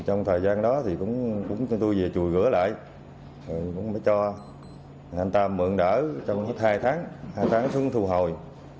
trong thời gian đó thì cũng cho tôi về chùi gửa lại rồi cũng mới cho anh tam mượn đỡ trong hết hai tháng hai tháng xuống thu hồi